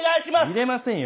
入れませんよ